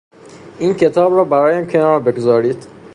این کتاب را برایم کنار بگذارید.